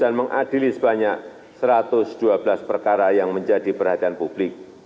dan mengadili sebanyak satu ratus dua belas perkara yang menjadi perhatian publik